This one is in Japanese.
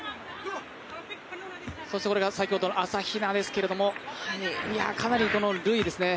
そして、これが先ほどの朝比奈ですけども、かなりルイですね